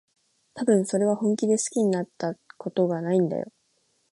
たぶん、それは本気で好きになったことがないんだよ。